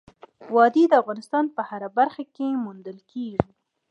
وادي د افغانستان په هره برخه کې موندل کېږي.